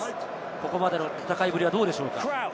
ここまでの戦いぶり、どうでしょうか？